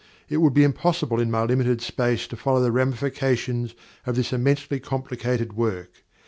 It would be impossible in my limited space to follow the ramifications of this immensely complicated work.